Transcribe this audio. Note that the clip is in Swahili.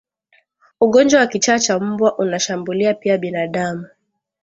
Ugonjwa wa kichaa cha mbwa unashambulia pia binadamu